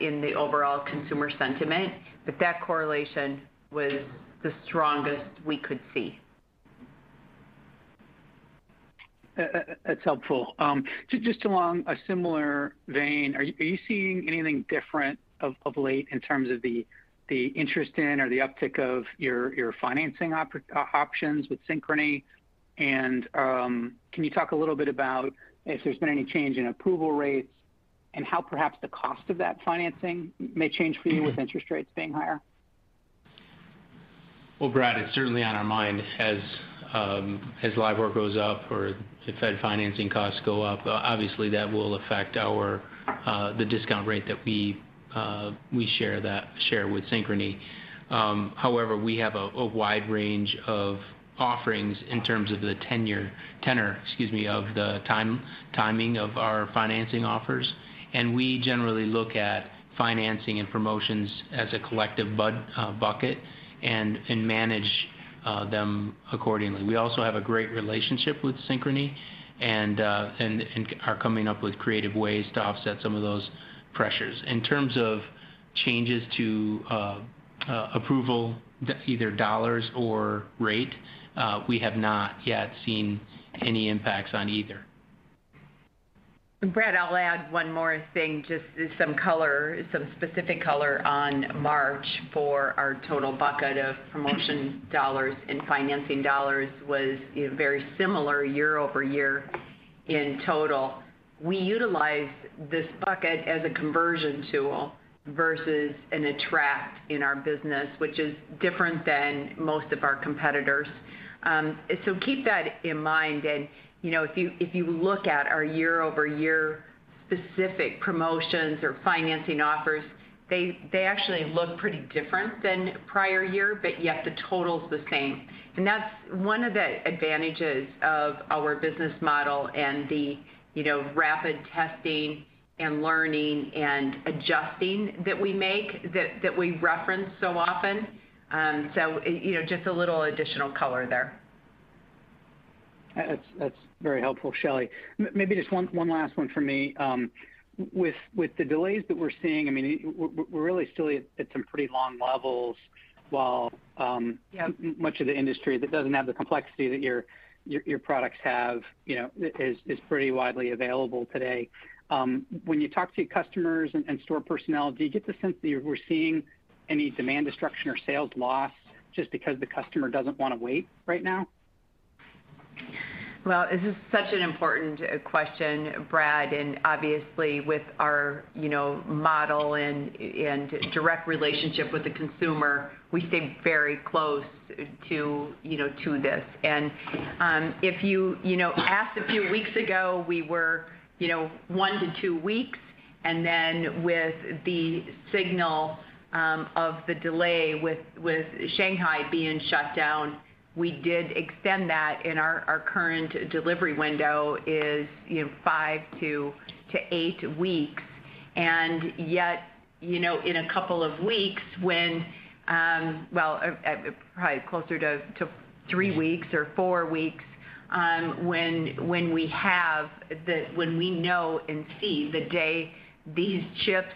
[SPEAKER 3] in the overall consumer sentiment, but that correlation was the strongest we could see.
[SPEAKER 9] That's helpful. Just along a similar vein, are you seeing anything different of late in terms of the interest in or the uptick of your financing options with Synchrony? Can you talk a little bit about if there's been any change in approval rates and how perhaps the cost of that financing may change for you with interest rates being higher?
[SPEAKER 4] Well, Brad, it's certainly on our mind. As LIBOR goes up or if the Fed financing costs go up, obviously, that will affect our the discount rate that we share with Synchrony. However, we have a wide range of offerings in terms of the timing of our financing offers, and we generally look at financing and promotions as a collective bucket and manage them accordingly. We also have a great relationship with Synchrony and are coming up with creative ways to offset some of those pressures. In terms of changes to approval, either dollars or rate, we have not yet seen any impacts on either.
[SPEAKER 3] Brad, I'll add one more thing. Just some color, some specific color on March for our total bucket of promotion dollars and financing dollars was, you know, very similar year-over-year in total. We utilize this bucket as a conversion tool versus an attract in our business, which is different than most of our competitors. Keep that in mind. You know, if you look at our year-over-year specific promotions or financing offers, they actually look pretty different than prior year, but yet the total's the same. That's one of the advantages of our business model and the, you know, rapid testing and learning and adjusting that we make, that we reference so often. You know, just a little additional color there.
[SPEAKER 9] That's very helpful, Shelly. Maybe just one last one for me. With the delays that we're seeing, I mean, we're really still at some pretty long levels while
[SPEAKER 3] Yeah.
[SPEAKER 9] Much of the industry that doesn't have the complexity that your products have, you know, is pretty widely available today. When you talk to customers and store personnel, do you get the sense that we're seeing any demand destruction or sales loss just because the customer doesn't wanna wait right now?
[SPEAKER 3] Well, this is such an important question, Brad. Obviously, with our model and direct relationship with the consumer, we stay very close to this. If you asked a few weeks ago, we were one to two weeks, and then with the signal of the delay with Shanghai being shut down, we did extend that, and our current delivery window is five to eight weeks. Yet, in a couple of weeks when... Well, probably closer to three weeks or four weeks, when we know and see the day these ships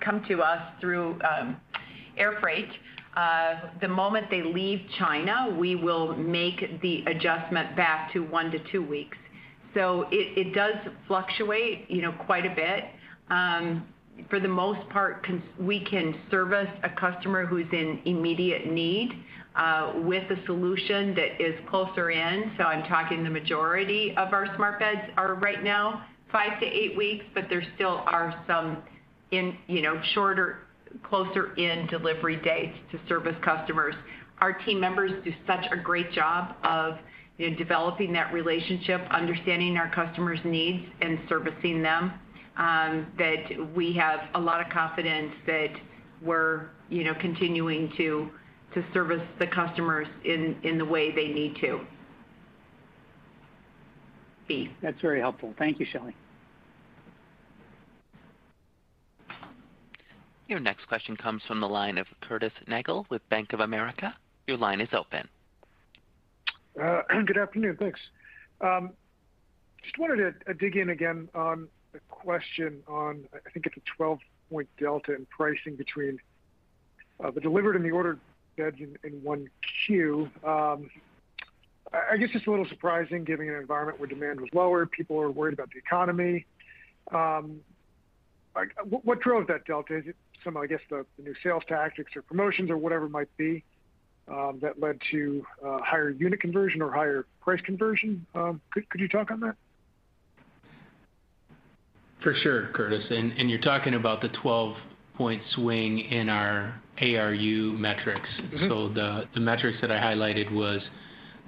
[SPEAKER 3] come to us through air freight, the moment they leave China, we will make the adjustment back to one to two weeks. It does fluctuate, you know, quite a bit. For the most part, we can service a customer who's in immediate need with a solution that is closer in. I'm talking the majority of our smart beds are right now five to eight weeks, but there still are some in, you know, shorter, closer in delivery dates to service customers. Our team members do such a great job of, you know, developing that relationship, understanding our customers' needs and servicing them that we have a lot of confidence that we're, you know, continuing to service the customers in the way they need to.
[SPEAKER 9] That's very helpful. Thank you, Shelly.
[SPEAKER 1] Your next question comes from the line of Curtis Nagle with Bank of America. Your line is open.
[SPEAKER 10] Good afternoon. Thanks. Just wanted to dig in again on a question on, I think it's a 12-point delta in pricing between the delivered and the ordered beds in 1Q. I guess it's a little surprising given an environment where demand was lower, people are worried about the economy. Like what drove that delta? Is it some, I guess, the new sales tactics or promotions or whatever it might be that led to higher unit conversion or higher price conversion? Could you talk on that?
[SPEAKER 4] For sure, Curtis. You're talking about the 12-point swing in our ARU metrics.
[SPEAKER 10] Mm-hmm.
[SPEAKER 4] The metrics that I highlighted was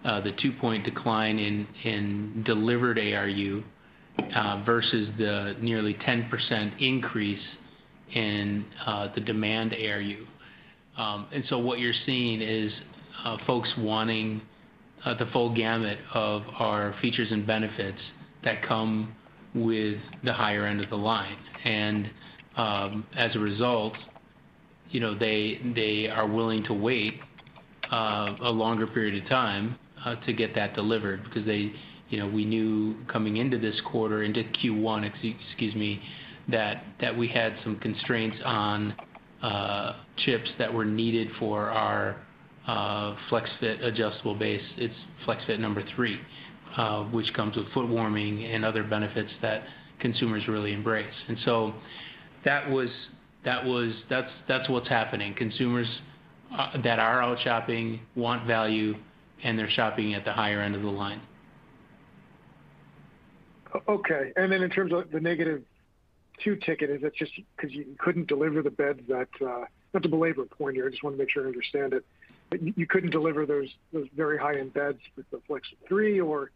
[SPEAKER 4] the 2-point decline in delivered ARU versus the nearly 10% increase in the demand ARU. What you're seeing is folks wanting the full gamut of our features and benefits that come with the higher end of the line. As a result, you know, they are willing to wait a longer period of time to get that delivered because you know, we knew coming into Q1 that we had some constraints on chips that were needed for our FlexFit adjustable base. It's FlexFit number 3, which comes with foot warming and other benefits that consumers really embrace. That's what's happening. Consumers, that are out shopping want value, and they're shopping at the higher end of the line.
[SPEAKER 10] Okay. In terms of the negative two ticket, is that just 'cause you couldn't deliver the beds that, not to belabor the point here, I just wanna make sure I understand it. But you couldn't deliver those very high-end beds with the FlexFit 3 or,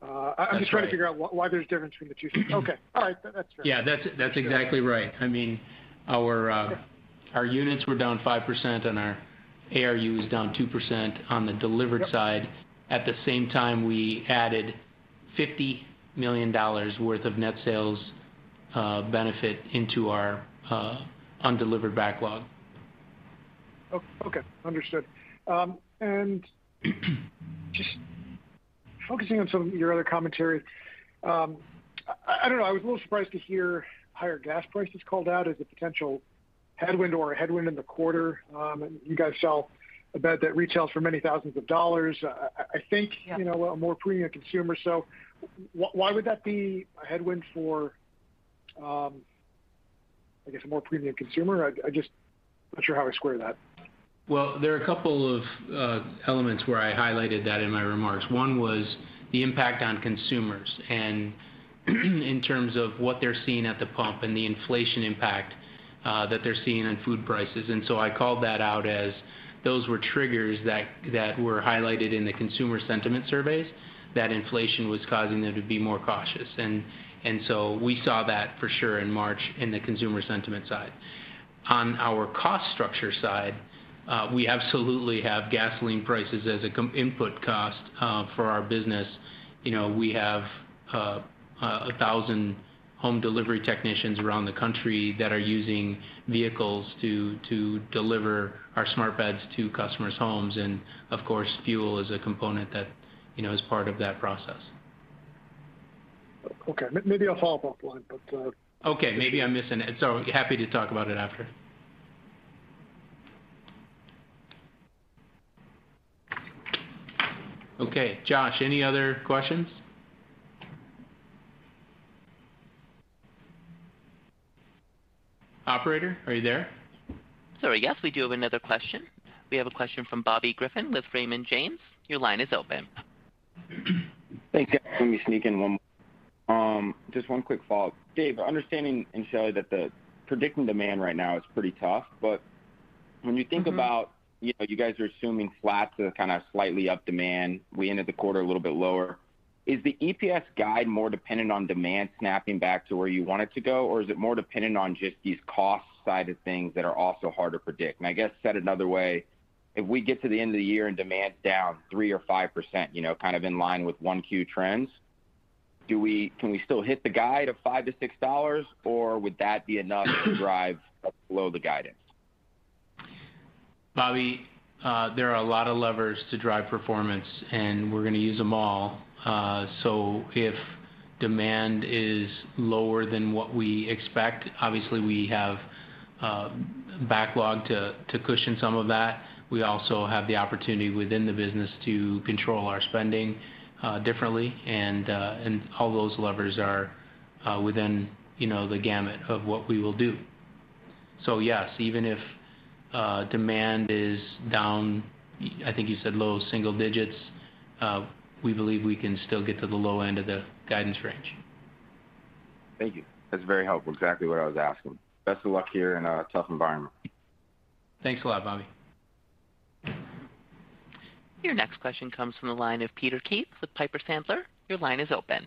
[SPEAKER 4] That's right.
[SPEAKER 10] I'm just trying to figure out why there's difference between the two. Okay. All right. That's fair.
[SPEAKER 4] Yeah. That's exactly right. I mean, our units were down 5%, and our ARU is down 2% on the delivered side.
[SPEAKER 10] Yep.
[SPEAKER 4] At the same time, we added $50 million worth of net sales benefit into our undelivered backlog.
[SPEAKER 10] Okay. Understood. Just focusing on some of your other commentary, I don't know. I was a little surprised to hear higher gas prices called out as a potential headwind or a headwind in the quarter. You guys sell a bed that retails for many thousands of dollars. I think.
[SPEAKER 4] Yeah
[SPEAKER 10] you know, a more premium consumer. Why would that be a headwind for, I guess, a more premium consumer? I'm just not sure how I square that.
[SPEAKER 4] Well, there are a couple of elements where I highlighted that in my remarks. One was the impact on consumers and, in terms of what they're seeing at the pump and the inflation impact, that they're seeing on food prices. I called that out as those were triggers that were highlighted in the consumer sentiment surveys, that inflation was causing them to be more cautious. We saw that for sure in March in the consumer sentiment side. On our cost structure side, we absolutely have gasoline prices as a input cost for our business. You know, we have 1,000 home delivery technicians around the country that are using vehicles to deliver our smart beds to customers' homes. Of course, fuel is a component that, you know, is part of that process.
[SPEAKER 10] Okay. Maybe I'll follow up offline.
[SPEAKER 4] Okay, maybe I'm missing it, so happy to talk about it after. Okay. Josh, any other questions? Operator, are you there?
[SPEAKER 1] Sorry. Yes, we do have another question. We have a question from Bobby Griffin with Raymond James. Your line is open.
[SPEAKER 4] Thanks you.
[SPEAKER 6] Let me sneak in one more. Just one quick follow-up. Dave and Shelly, understanding that predicting demand right now is pretty tough, but when you think about-
[SPEAKER 4] Mm-hmm.
[SPEAKER 6] You know, you guys are assuming flat to kind of slightly up demand, we ended the quarter a little bit lower. Is the EPS guide more dependent on demand snapping back to where you want it to go? Or is it more dependent on just these cost side of things that are also hard to predict? I guess said another way, if we get to the end of the year and demand's down 3% or 5%, you know, kind of in line with 1Q trends, can we still hit the guide of $5-$6, or would that be enough to drive below the guidance?
[SPEAKER 4] Bobby, there are a lot of levers to drive performance, and we're gonna use them all. If demand is lower than what we expect, obviously we have backlog to cushion some of that. We also have the opportunity within the business to control our spending differently. All those levers are within, you know, the gamut of what we will do. Yes, even if demand is down, I think you said low single digits, we believe we can still get to the low end of the guidance range.
[SPEAKER 6] Thank you. That's very helpful. Exactly what I was asking. Best of luck here in a tough environment.
[SPEAKER 4] Thanks a lot, Bobby.
[SPEAKER 1] Your next question comes from the line of Peter Keith with Piper Sandler. Your line is open.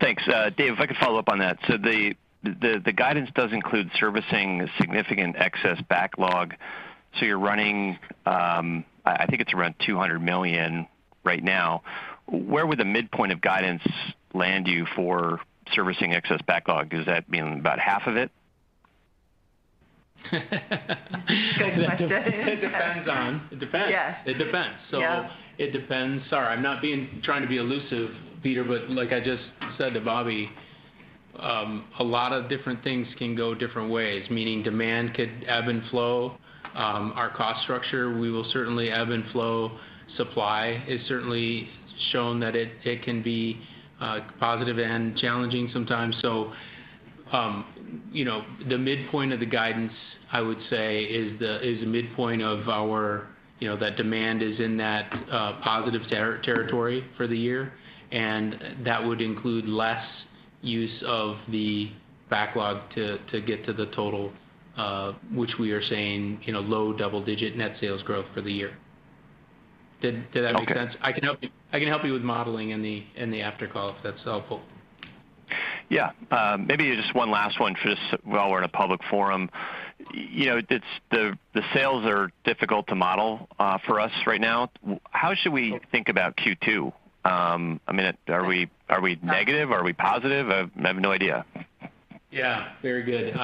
[SPEAKER 5] Thanks. Dave, if I could follow up on that. The guidance does include servicing significant excess backlog. You're running, I think it's around $200 million right now. Where would the midpoint of guidance land you for servicing excess backlog? Does that mean about half of it?
[SPEAKER 4] It depends. Sorry, I'm not trying to be elusive, Peter, but like I just said to Bobby, a lot of different things can go different ways, meaning demand could ebb and flow. Our cost structure, we will certainly ebb and flow. Supply has certainly shown that it can be positive and challenging sometimes. You know, the midpoint of the guidance, I would say is the midpoint of our, you know, that demand is in that positive territory for the year, and that would include less use of the backlog to get to the total, which we are seeing, you know, low double-digit net sales growth for the year. Did that make sense?
[SPEAKER 5] Okay.
[SPEAKER 4] I can help you with modeling in the after call, if that's helpful.
[SPEAKER 5] Yeah. Maybe just one last one just while we're in a public forum. You know, it's the sales are difficult to model for us right now. How should we think about Q2? I mean, are we negative? Are we positive? I have no idea.
[SPEAKER 4] Yeah. Very good.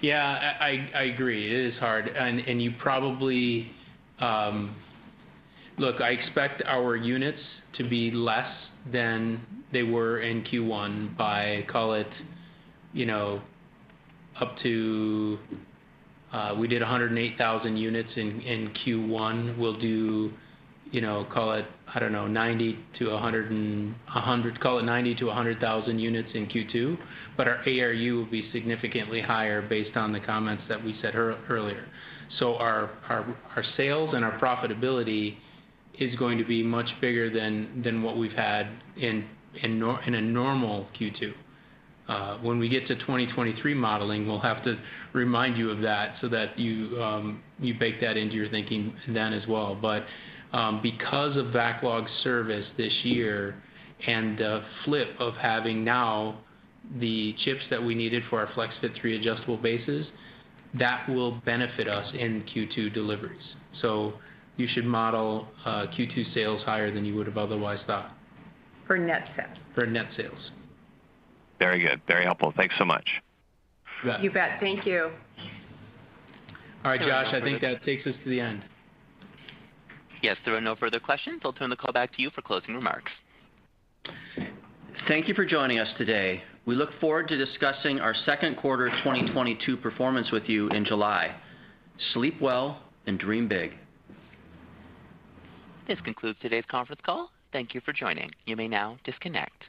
[SPEAKER 4] Yeah, I agree. It is hard. You probably look, I expect our units to be less than they were in Q1 by, call it, you know, up to 108,000 units in Q1. We'll do, you know, call it, I don't know, 90,000-100,000 units in Q2, but our ARU will be significantly higher based on the comments that we said earlier. Our sales and our profitability is going to be much bigger than what we've had in a normal Q2. When we get to 2023 modeling, we'll have to remind you of that so that you bake that into your thinking then as well. Because of backlog service this year and the flip of having now the chips that we needed for our FlexFit 3 adjustable bases, that will benefit us in Q2 deliveries. You should model Q2 sales higher than you would have otherwise thought.
[SPEAKER 3] For net sales.
[SPEAKER 4] For net sales.
[SPEAKER 5] Very good. Very helpful. Thanks so much.
[SPEAKER 3] You bet. Thank you.
[SPEAKER 4] All right, Josh, I think that takes us to the end.
[SPEAKER 1] Yes. There are no further questions. I'll turn the call back to you for closing remarks.
[SPEAKER 2] Thank you for joining us today. We look forward to discussing our second quarter 2022 performance with you in July. Sleep well and dream big.
[SPEAKER 1] This concludes today's conference call. Thank you for joining. You may now disconnect.